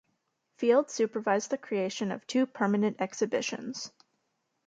Field supervised the creation of two permanent exhibitions.